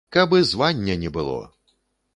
Каб і звання не было.